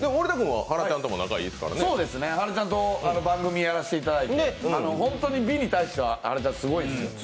はらちゃんと番組やらせていただいて本当に美に対しては、はらちゃん、すごいですよ。